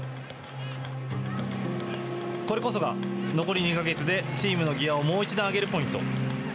これこそが、残り２か月でチームのギアをもう一段上げるポイント。